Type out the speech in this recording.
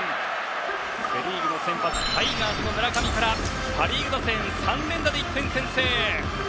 セ・リーグの先発タイガースの村上からパ・リーグ打線、３連打で１点先制！